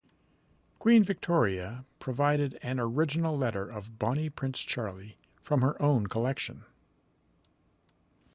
Queen Victoria provided an original letter of Bonnie Prince Charlie from her own collection.